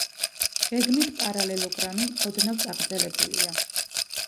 გეგმით პარალელოგრამი, ოდნავ წაგრძელებულია.